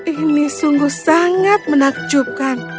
ini sungguh sangat menakjubkan